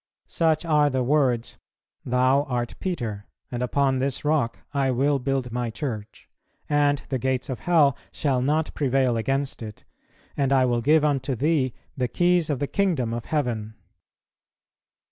Such are the words, "Thou art Peter, and upon this rock I will build My Church; and the gates of hell shall not prevail against it, and I will give unto Thee the Keys of the Kingdom of Heaven."